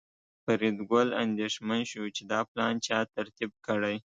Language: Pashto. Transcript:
فریدګل اندېښمن شو چې دا پلان چا ترتیب کړی